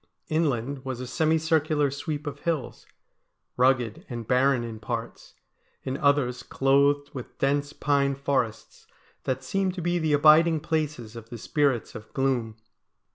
Inland was a semicircular sweep of hills, rugged and barren in parts ; in others clothed with dense pine forests that seemed to be the abiding places of the spirits of gloom.